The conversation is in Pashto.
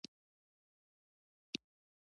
پښتو لنډۍ ده.